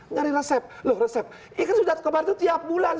nyari resep loh resep ini kan sudah kebar itu tiap bulan